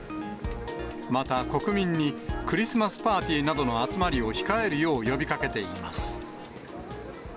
また、国民にクリスマスパーティーなどの集まりを控えるよう呼びかけています。